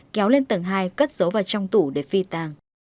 kéo lên tầng hai cất giấu vào trong tủ để phi tàng